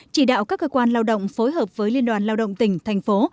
chỉ đạo các cơ quan lao động phối hợp với liên đoàn lao động tỉnh thành phố